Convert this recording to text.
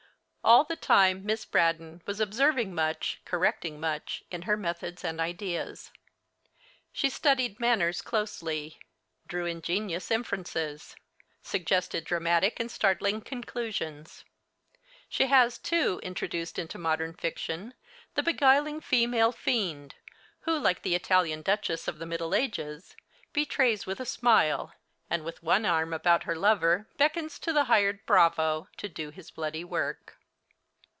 All the time Miss Braddon was observing much, correcting much in her methods and ideas. She studied manners closely; drew ingenious inferences; suggested dramatic and startling conclusions. She has, too, introduced into modern fiction the beguiling female fiend, who, like the Italian duchess of the Middle Ages, betrays with a smile, and with one arm about her lover beckons to the hired bravo to do his bloody work.